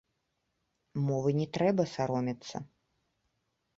Мовы не трэба саромецца.